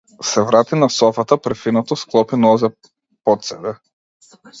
Се врати на софата, префинето склопи нозе под себе.